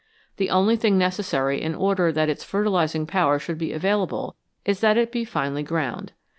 The only thing necessary in order that its fertilising power should be available is that it be finely ground.